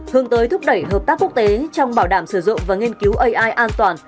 hướng tới thúc đẩy hợp tác quốc tế trong bảo đảm sử dụng và nghiên cứu ai an toàn